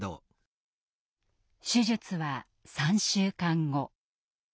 手術は３週間後。